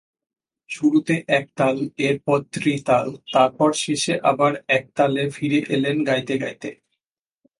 শুরুতে একতাল এরপর ত্রিতাল, তারপর শেষে আবার একতালে ফিরে এলেন গাইতে গাইতে।